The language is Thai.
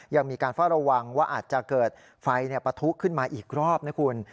ยังมีการเฝ้าระวังว่าอาจจะเกิดไฟปะทุขึ้นมาอีกรอบนะคุณ